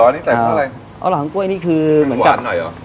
อันนี้ใส่เพื่ออะไรอ๋อหล่อหังก้วยนี่คือเหมือนกับมันหวานหน่อยเหรอ